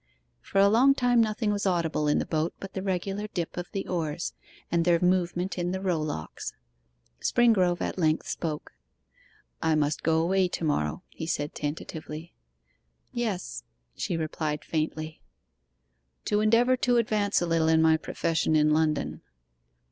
For a long time nothing was audible in the boat but the regular dip of the oars, and their movement in the rowlocks. Springrove at length spoke. 'I must go away to morrow,' he said tentatively. 'Yes,' she replied faintly. 'To endeavour to advance a little in my profession in London.